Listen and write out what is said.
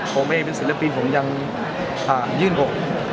ผมเองเป็นศิลปินผมยังยื่นอก